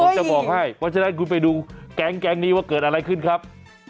ผมจะบอกให้เพราะฉะนั้นคุณไปดูแก๊งนี้ว่าเกิดอะไรขึ้นครับ